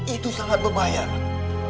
itu sangat berbahaya lam